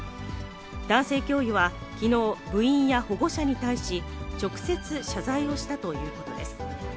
男性教諭はきのう、部員や保護者に対し、直接、謝罪をしたということです。